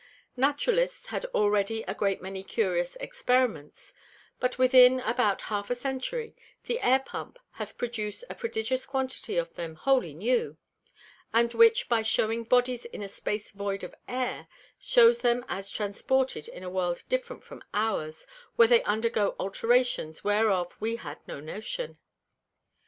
Naturalists had already a great many curious Experiments; but within about half a Century, the Air Pump hath produced a prodigious quantity of them wholly new, and which by shewing Bodies in a Space void of Air, shews them as transported in a World different from ours, where they undergo Alterations whereof we had no Notion.